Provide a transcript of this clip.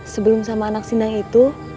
sebelum sama anak sindang itu